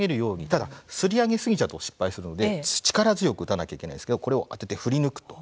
ただ、すり上げすぎちゃうと失敗するので力強く打たなきゃいけないんですけどこれを当てて振り抜くと。